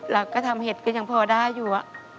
แล้วก็ทำเห็ดก็ยังพอได้อยู่